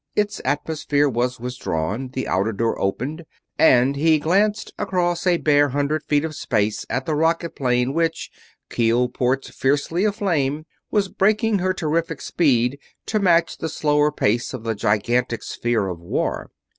Its atmosphere was withdrawn, the outer door opened, and he glanced across a bare hundred feet of space at the rocket plane which, keel ports fiercely aflame, was braking her terrific speed to match the slower pace of the gigantic sphere of war.